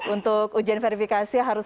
untuk ujian verifikasi harus